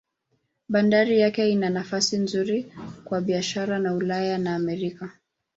Bandari yake ina nafasi nzuri kwa biashara na Ulaya na Amerika.